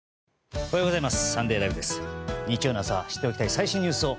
おはようございます。